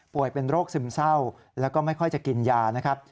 เป็นโรคซึมเศร้าแล้วก็ไม่ค่อยจะกินยานะครับ